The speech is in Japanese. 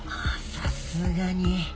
さすがに。